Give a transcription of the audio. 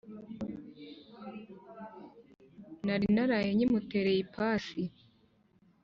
nari naraye nyimutereye ipasi